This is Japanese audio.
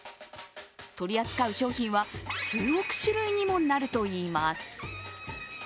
取り扱う商品は数億種類にもなるといいます。